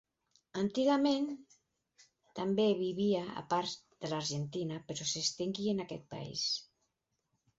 Antigament també vivia a parts de l'Argentina, però s'extingí en aquest país.